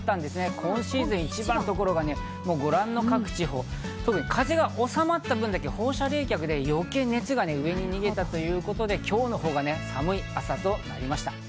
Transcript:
今シーズン一番のところがご覧の各地、特に風が収まった分だけ放射冷却で余計、熱が上に逃げたということで今日の方が寒い朝となりました。